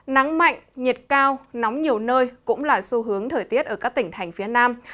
nắng mạnh nhiệt cao nóng nhiều nơi cũng là xu hướng thời tiết ở các tỉnh thành phía nam